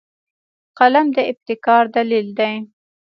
قلم د ابتکار دلیل دی